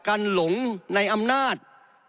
การหลงในอำนาจ